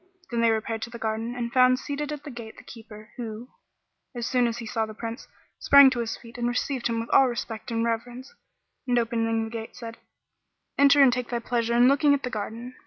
Then they repaired to the garden and found seated at the gate the Keeper who, as soon as he saw the Prince, sprang to his feet and received him with all respect and reverence, and opening the gate, said, "Enter and take thy pleasure in looking at the garden."